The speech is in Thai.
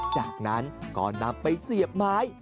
จากนั้นก็นำไปเสียบไม้